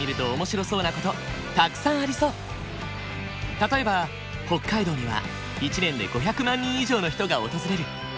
例えば北海道には１年で５００万人以上の人が訪れる。